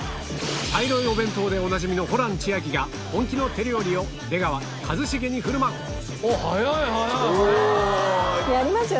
茶色いお弁当でおなじみのホラン千秋が本気の手料理を出川一茂に振る舞うやりますよ